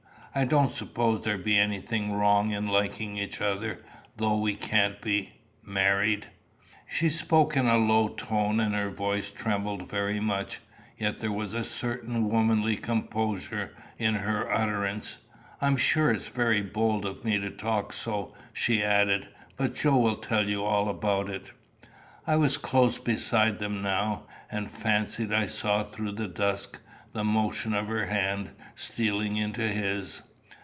I don't suppose there be anything wrong in liking each other, though we can't be married." She spoke in a low tone, and her voice trembled very much; yet there was a certain womanly composure in her utterance. "I'm sure it's very bold of me to talk so," she added, "but Joe will tell you all about it." I was close beside them now, and fancied I saw through the dusk the motion of her hand stealing into his.